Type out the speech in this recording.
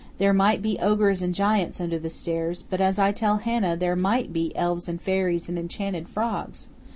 There might be ogres and giants under the stairs, but, as I tell Hannah, there MIGHT be elves and fairies and enchanted frogs!